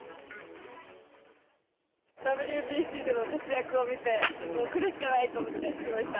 ＷＢＣでの活躍を見て、もう来るしかないと思って来ました。